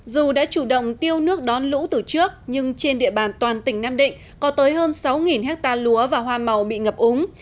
dù đã chủ động tiêu nước đón lũ từ trước nhưng trên địa bàn toàn tỉnh nam định có tới hơn sáu hectare lúa và hoa màu bị ngập úng